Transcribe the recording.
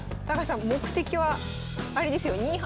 高橋さん目的はあれですよ。